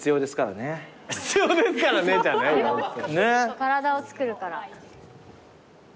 体をつくるから。